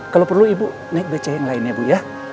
kalau perlu ibu naik beca yang lain ya bu ya